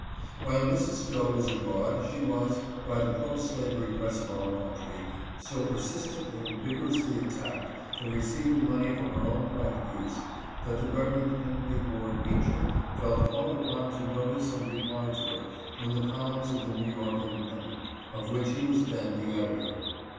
While Mrs. Stowe was abroad she was, by the pro slavery press of our country, so persistently and vigorously attacked for receiving money for her own private use, that the Rev. Henry Ward Beecher felt called upon to notice and reply to it in the columns of the New York Independ ent, of which he was then the editor.